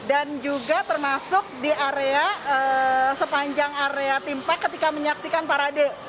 dan juga termasuk di area sepanjang area timpak ketika menyaksikan parade